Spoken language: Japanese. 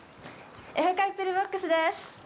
エフカイ・ピルボックスです。